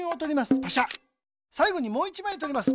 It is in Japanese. さいごにもう１まいとります。